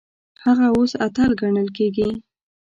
هغه اوس اتل ګڼل کیږي.